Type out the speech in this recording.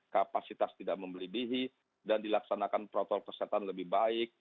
kapasitas tidak membelebihi dan dilaksanakan protokol kesehatan lebih baik